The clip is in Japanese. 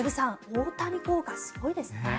大谷効果すごいですね。